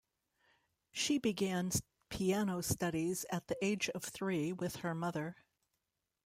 She began piano studies at the age of three with her mother.